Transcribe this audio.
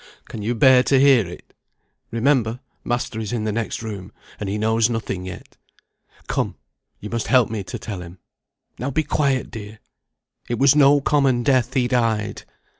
Can you bear to hear it? Remember, master is in the next room, and he knows nothing yet. Come, you must help me to tell him. Now be quiet, dear! It was no common death he died!"